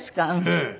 ええ。